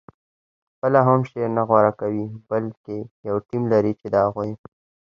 خپله هم شعر نه غوره کوي بلکې یو ټیم لري چې د هغوی